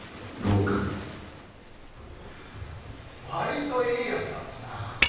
割といいやつだったな。